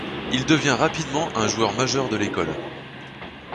Il devient rapidement un joueur majeur de l'école.